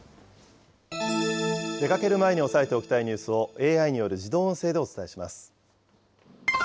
出かける前に押さえておきたいニュースを、ＡＩによる自動音